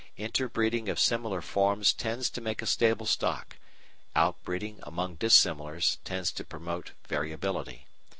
Interbreeding of similar forms tends to make a stable stock; out breeding among dissimilars tends to promote variability.